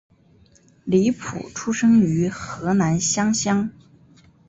李普出生于湖南湘乡。